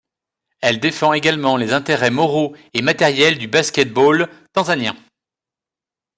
Elle défend également les intérêts moraux et matériels du basket-ball tanzanien.